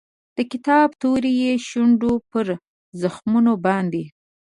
د کتاب توري یې د شونډو پر زخمونو باندې